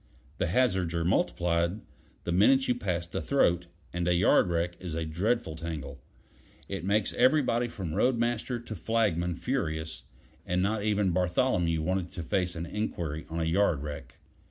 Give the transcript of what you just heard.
The hazards are multiplied the minute you pass the throat, and a yard wreck is a dreadful tangle; it makes everybody from road master to flagman furious, and not even Bartholomew wanted to face an inquiry on a yard wreck.